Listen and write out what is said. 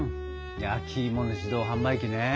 焼きいもの自動販売機ね。